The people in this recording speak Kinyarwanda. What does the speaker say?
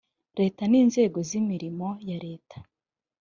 leta n inzego z imirimo ya leta